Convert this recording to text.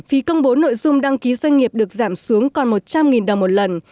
phí công bố nội dung đăng ký doanh nghiệp được giảm xuống còn một trăm linh đồng một lần